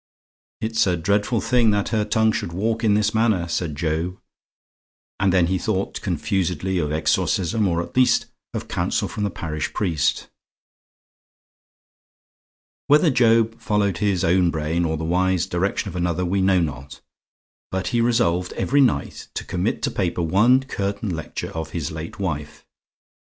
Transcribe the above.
"It's a dreadful thing that her tongue should walk in this manner," said Job, and then he thought confusedly of exorcism, or at least of counsel from the parish priest. Whether Job followed his own brain, or the wise direction of another, we know not. But he resolved every night to commit to paper one curtain lecture of his late wife.